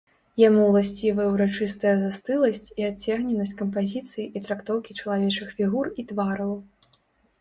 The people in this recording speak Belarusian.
Яму ўласцівая ўрачыстая застыласць і адцягненасць кампазіцыі і трактоўкі чалавечых фігур і твараў.